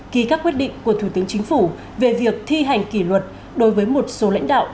ký các quyết định của thủ tướng chính phủ về việc thi hành kỷ luật đối với một số lãnh đạo